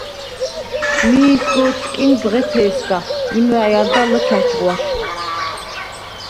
მიი სგო̄თსკი ბღეთეჲსგა, იმვა̈ჲ არდა ლჷქა̈ჩ ღვაშ.